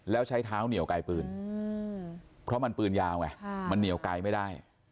แล้วใช้เท้าเหนียวไกลปืนเพราะมันปืนยาวไงมันเหนียวไกลไม่ได้